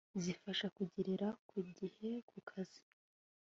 zifasha kugerera ku gihe ku kazi